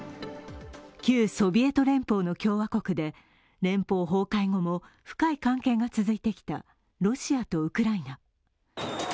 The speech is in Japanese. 旧ソビエト連邦の共和国で、連邦崩壊後も深い関係が続いてきたロシアとウクライナ。